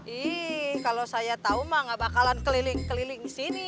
ih kalau saya tahu mah gak bakalan keliling keliling sini